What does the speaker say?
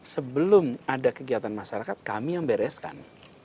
sebelum ada kegiatan masyarakat kami yang bereskan